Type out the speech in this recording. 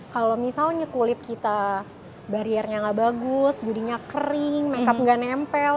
kalau misalnya kulit kita bariernya nggak bagus jadinya kering make up nggak nempel